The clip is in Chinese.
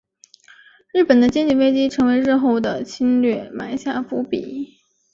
日本的经济危机成为日后的侵略埋下伏笔。